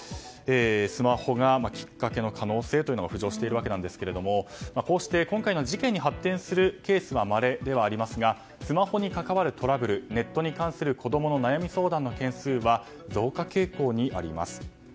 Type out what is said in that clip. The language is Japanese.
スマホがきっかけの可能性が浮上しているわけなんですけどもこうして、今回のように事件に発展するケースはまれではありますが稀ではありますがスマホに関わるトラブル子供の悩み相談の件数は増加傾向にあります。